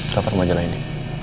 kaper majalah ini